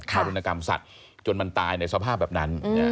รุณกรรมสัตว์จนมันตายในสภาพแบบนั้น